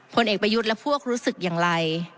ผลเอกประยุทธ์และพวกรู้สึกอย่างไร